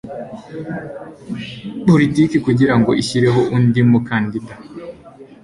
Politiki kugira ngo ishyireho undi mukandida